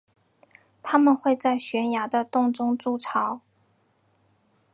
它们会在悬崖的洞中筑巢。